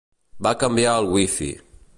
Va canviar el Wi-Fi.